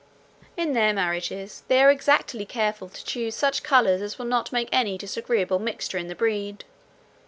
In their marriages, they are exactly careful to choose such colours as will not make any disagreeable mixture in the breed.